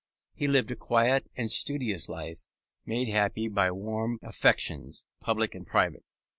He lived a quiet and studious life, made happy by warm affections, public and private.